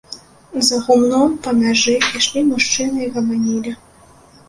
За гумном, па мяжы, ішлі мужчыны і гаманілі.